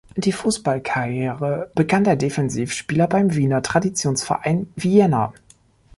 Die Fußballkarriere begann der Defensivspieler beim Wiener Traditionsverein Vienna.